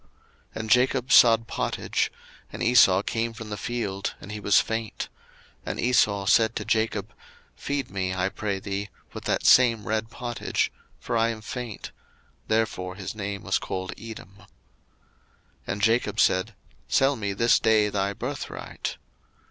01:025:029 And Jacob sod pottage: and Esau came from the field, and he was faint: 01:025:030 And Esau said to Jacob, Feed me, I pray thee, with that same red pottage; for I am faint: therefore was his name called Edom. 01:025:031 And Jacob said, Sell me this day thy birthright.